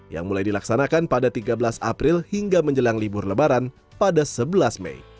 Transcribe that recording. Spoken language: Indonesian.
yang mulai dilaksanakan pada tiga belas april hingga menjelang libur lebaran pada sebelas mei